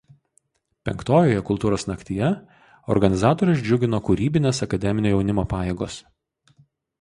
Penktojoje „Kultūros naktyje“ organizatorius džiugino kūrybinės akademinio jaunimo pajėgos.